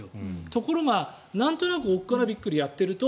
ところが、なんとなくおっかなびっくりやっていると。